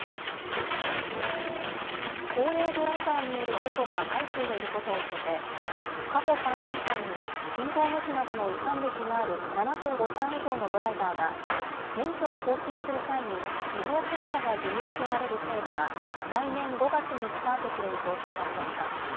高齢ドライバーによる事故が相次いでいることを受けて過去３年間に信号無視などの違反歴がある７５歳以上のドライバーが免許を更新する際に技能検査が義務づけられる制度が来年５月にスタートする見通しになりました。